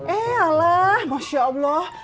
eh alah masya allah